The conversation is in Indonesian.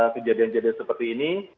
kejadian kejadian seperti ini